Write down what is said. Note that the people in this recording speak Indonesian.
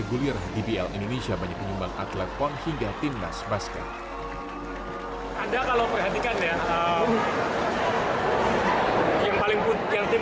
gulir dbl indonesia banyak penyumbang atlet pon hingga tim nas basket